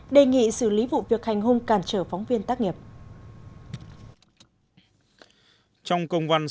đề nghị xử lý vụ việc hành hung cản trở phóng viên tác nghiệp